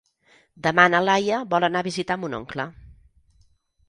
Demà na Laia vol anar a visitar mon oncle.